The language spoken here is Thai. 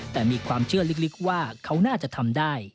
แต่มีความเชื่อลึกว่าเขาน่าจะทำได้